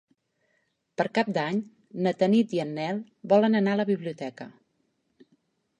Per Cap d'Any na Tanit i en Nel volen anar a la biblioteca.